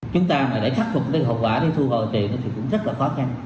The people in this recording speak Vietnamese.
chúng ta mà để khắc phục cái hậu quả để thu hồi tiền thì cũng rất là khó khăn